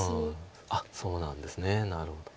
あっそうなんですねなるほど。